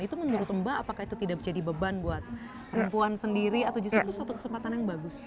itu menurut mbak apakah itu tidak menjadi beban buat perempuan sendiri atau justru itu suatu kesempatan yang bagus